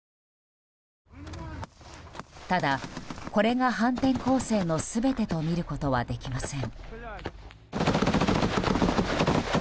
ただ、これが反転攻勢の全てとみることはできません。